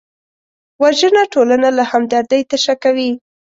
وژنه ټولنه له همدردۍ تشه کوي